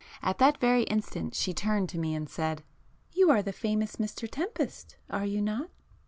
At that very instant she turned to me and said— "You are the famous Mr Tempest, are you not?"